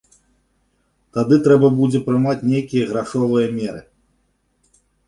Тады трэба будзе прымаць нейкія грашовыя меры.